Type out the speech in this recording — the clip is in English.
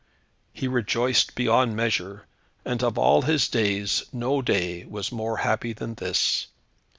He rejoiced beyond measure, and of all his days, no day was more happy than this.